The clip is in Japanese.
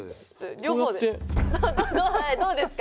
どうですか？